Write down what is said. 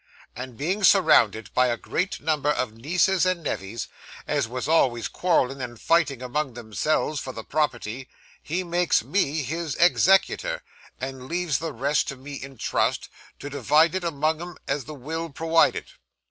'And being surrounded by a great number of nieces and nevys, as was always quarrelling and fighting among themselves for the property, he makes me his executor, and leaves the rest to me in trust, to divide it among 'em as the will prowided.